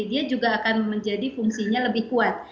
dia juga akan menjadi fungsinya lebih kuat